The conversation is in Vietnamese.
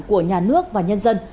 của nhà nước và nhân dân